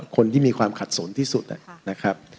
คนที่มีความขัดสนที่สุดนะครับ